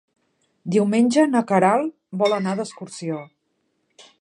Diumenge na Queralt vol anar d'excursió.